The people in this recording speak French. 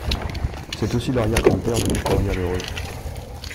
C'est aussi l'arrière-grand-père de Victoria Lheureux.